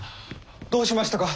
どうしましたか？